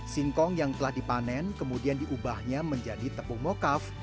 singkong yang telah dipanen kemudian diubahnya menjadi tepung mokav